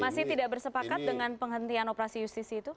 masih tidak bersepakat dengan penghentian operasi justisi itu